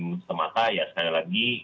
atau klinik semata ya sekali lagi